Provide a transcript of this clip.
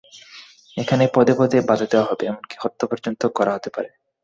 এখানে পদে পদে বাধা দেওয়া হবে, এমনকি হত্যা পর্যন্ত করা হতে পারে।